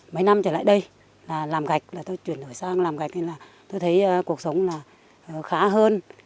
mấy năm trở lại đây làm gạch tôi chuyển sang làm gạch tôi thấy cuộc sống khá hơn